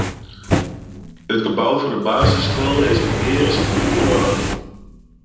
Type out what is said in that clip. It gebou fan de basisskoalle is al mear as hûndert jier âld.